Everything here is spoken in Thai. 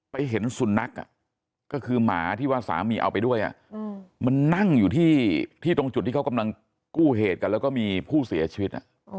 เห็นสุนัขก็คือหมาที่ว่าสามีเอาไปด้วยมันนั่งอยู่ที่ตรงจุดที่เขากำลังกู้เหตุกันแล้วก็มีผู้เสียชีวิต